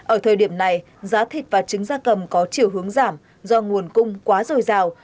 ở thời điểm này giá thịt và trứng da cầm có chiều hướng giảm do nguồn cung quá dồi dào